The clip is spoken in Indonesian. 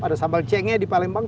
ada sambal cenge di palembang